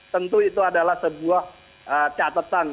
tentu itu adalah sebuah catatan